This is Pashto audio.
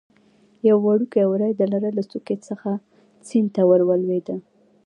یو وړکی وری د لره له څوکې څخه سیند ته ور ولوېده.